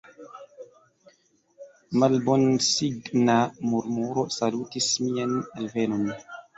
Malbonsigna murmuro salutis mian alvenon.